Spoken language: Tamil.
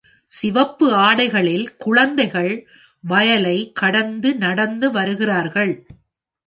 சிவப்பு ஆடைகளில் குழந்தைகள் வயலை கடந்து நடந்து வருகிறார்கள்.